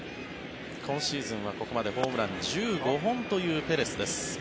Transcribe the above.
今シーズンはここまでホームラン１５本というペレスです。